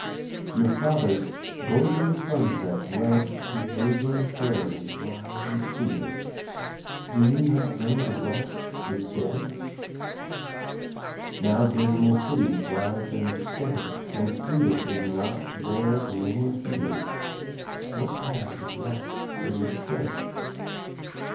Your fathers, golden sunsets led To virgin prairies wide and clear Do you not know the West is dead? Now dismal cities rise instead And freedom is not there nor here What path is left for you to tread?